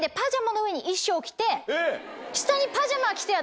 着て下にパジャマ着て私。